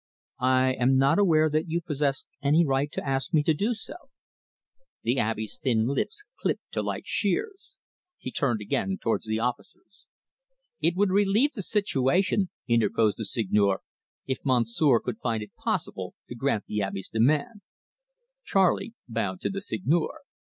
"I am not aware that you possess any right to ask me to do so." The Abbe's thin lips clipped to like shears. He turned again towards the officers. "It would relieve the situation," interposed the Seigneur, "if Monsieur could find it possible to grant the Abbe's demand." Charley bowed to the Seigneur.